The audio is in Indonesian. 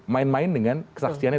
main main dengan kesaksiannya